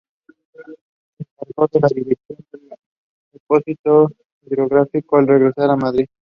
Se encargó de la dirección del Depósito Hidrográfico al regresar a Madrid.